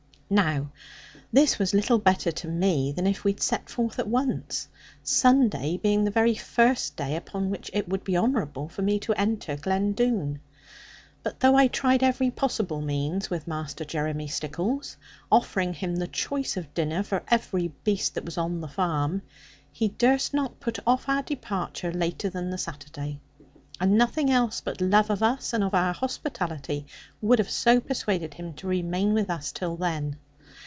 Now this was little better to me than if we had set forth at once. Sunday being the very first day upon which it would be honourable for me to enter Glen Doone. But though I tried every possible means with Master Jeremy Stickles, offering him the choice for dinner of every beast that was on the farm, he durst not put off our departure later than the Saturday. And nothing else but love of us and of our hospitality would have so persuaded him to remain with us till then.